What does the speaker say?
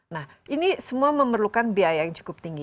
nah ini semua memerlukan biaya yang cukup tinggi